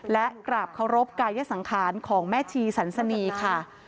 และกราบเคารพกายสังขารของแม่ชีสันสนีค่ะ